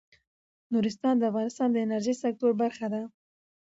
نورستان د افغانستان د انرژۍ سکتور برخه ده.